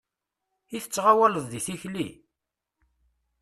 I tettɣawaleḍ deg tikli!